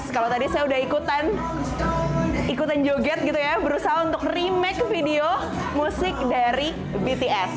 kalau tadi saya udah ikutan ikutan joget gitu ya berusaha untuk remake video musik dari bts